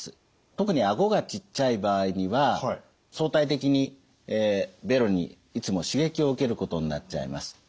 特に顎がちっちゃい場合には相対的にべろにいつも刺激を受けることになっちゃいます。